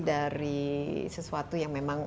dari sesuatu yang memang